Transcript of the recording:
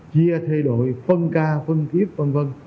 chia thay đổi phân ca phân kiếp vân vân